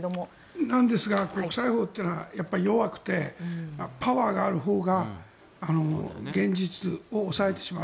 なんですが国際法っていうのはやっぱり弱くてパワーがあるほうが現実を押さえてしまう。